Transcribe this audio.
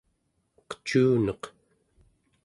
qecuneq